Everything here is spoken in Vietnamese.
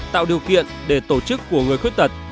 tạo điều kiện để tổ chức của người khuyết tật